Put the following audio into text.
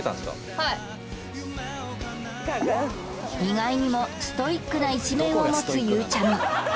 はい意外にもストイックな一面を持つゆうちゃみ